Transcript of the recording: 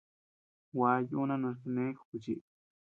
Gua yuuna noch kanee juchi.